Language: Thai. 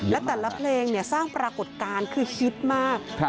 และแต่ละเพลงสร้างปรากฏการณ์คือฮิตมาก